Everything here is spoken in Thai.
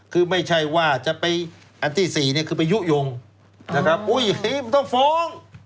คือไม่ใช่ว่าจะไปอันที่๔คือไปยุ้ยงอย่างนี้มันต้องฟ้อง